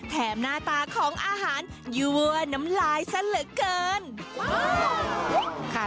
แถมหน้าตาของอาหารยัววว์น้ำลายสะลึกเกิน